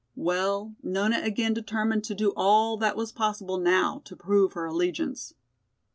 Well, Nona again determined to do all that was possible now to prove her allegiance.